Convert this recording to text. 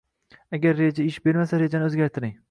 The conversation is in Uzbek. Agar reja ish bermasa, rejani o’zgartiring